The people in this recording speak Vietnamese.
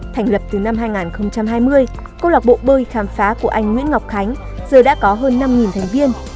thành lập từ năm hai nghìn hai mươi câu lạc bộ bơi khám phá của anh nguyễn ngọc khánh giờ đã có hơn năm thành viên